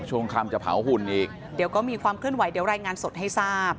ช่วงคำจะเผาหุ่นอีกเดี๋ยวก็มีความเคลื่อนไหวเดี๋ยวรายงานสดให้ทราบ